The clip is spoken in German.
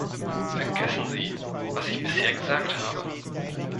Vergessen Sie, was ich bisher gesagt habe.